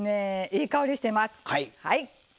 いい香りしてます。